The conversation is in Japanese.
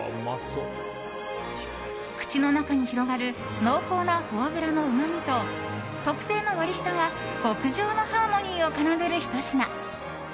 口の中に広がる濃厚なフォアグラのうまみと特製の割り下が極上のハーモニーを奏でるひと品。